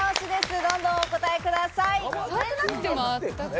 どんどんお答えください。